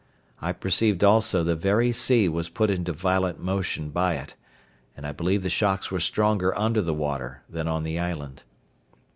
I perceived also the very sea was put into violent motion by it; and I believe the shocks were stronger under the water than on the island.